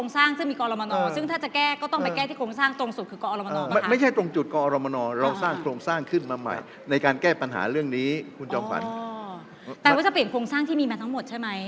แปลว่าจะเปลี่ยนโครงสร้างที่มีมาทั้งหมดใช่ไหม